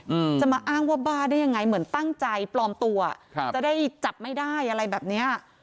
อืมจะมาอ้างว่าบ้าได้ยังไงเหมือนตั้งใจปลอมตัวครับจะได้จับไม่ได้อะไรแบบเนี้ย